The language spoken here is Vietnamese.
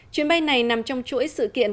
chuyến bay này nằm trong chuỗi sự kiện